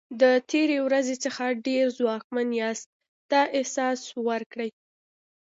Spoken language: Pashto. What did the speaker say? د تېرې ورځې څخه ډېر ځواکمن یاست دا احساس ورکړئ.